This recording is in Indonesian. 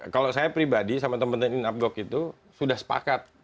kalau saya pribadi sama teman teman in up box itu sudah sepakat